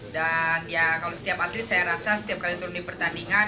dan ya kalau setiap atlet saya rasa setiap kali turun di pertandingan